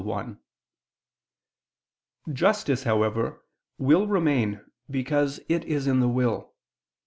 Justice, however, will remain because it is in the will.